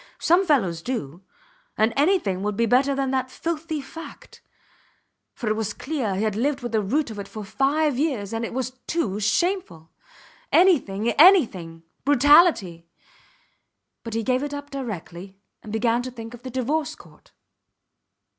Some fellows do ... and anything would be better than the filthy fact; for it was clear he had lived with the root of it for five years and it was too shameful. Anything! Anything! Brutality ... But he gave it up directly, and began to think of the Divorce Court.